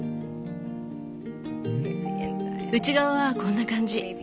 内側はこんな感じ。